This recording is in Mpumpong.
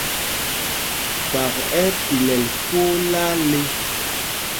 Kpak ɛ́ ɛ́ pilɛ kwóó laa le.